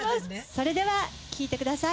それでは聴いてください